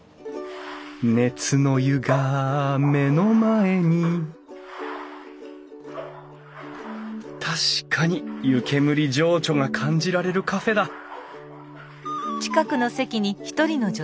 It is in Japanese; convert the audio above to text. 熱の湯が目の前に確かに湯けむり情緒が感じられるカフェだはっ！